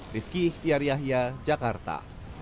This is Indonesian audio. rizky ihtiyar yahya jakarta